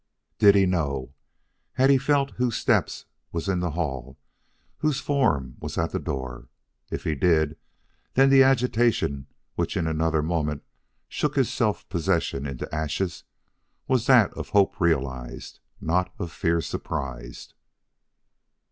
Did he know had he felt whose step was in the hall, whose form was at the door? If he did, then the agitation which in another moment shook his self possession into ashes was that of hope realized, not of fear surprised.